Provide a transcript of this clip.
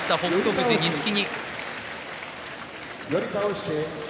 富士と錦木。